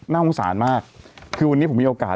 สงสารมากคือวันนี้ผมมีโอกาส